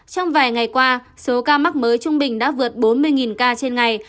trong vài ngày qua số ca mắc mới trung bình đã vượt bốn mươi ca trên ngày